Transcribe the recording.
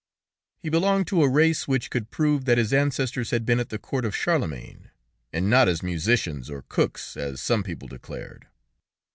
He belonged to a race which could prove that his ancestors had been at the court of Charlemagne, and not as musicians or cooks, as some people declared.